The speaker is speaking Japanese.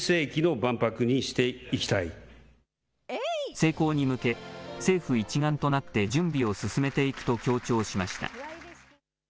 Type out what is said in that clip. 成功に向け、政府一丸となって準備を進めていくと強調しました。